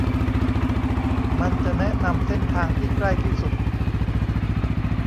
มันจะแนะนำเส้นทางที่ใกล้ที่สุด